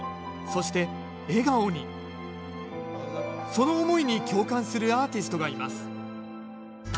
その思いに共感するアーティストがいます